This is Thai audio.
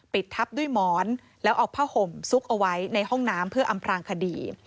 ทับด้วยหมอนแล้วเอาผ้าห่มซุกเอาไว้ในห้องน้ำเพื่ออำพลางคดี